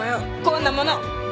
こんなもの。